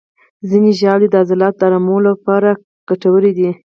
ځینې ژاولې د عضلاتو د آرام لپاره ګټورې دي.